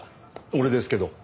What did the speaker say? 俺ですけど。